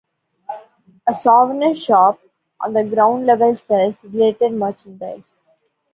A souvenir shop on the ground level sells related merchandise.